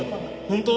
本当？